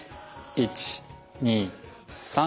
１２３。